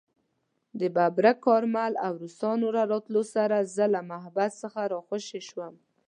د ببرک کارمل او روسانو له راتلو سره زه له محبس څخه راخوشي شوم.